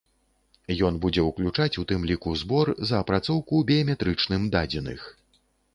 Ён будзе ўключаць у тым ліку збор за апрацоўку біяметрычным дадзеных.